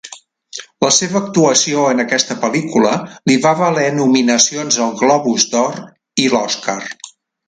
La seva actuació en aquesta pel·lícula li va valer nominacions al Globus d'Or i l'Oscar.